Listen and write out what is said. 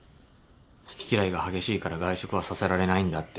好き嫌いが激しいから外食はさせられないんだって